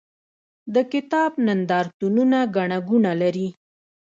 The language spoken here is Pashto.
د کتاب نندارتونونه ګڼه ګوڼه لري.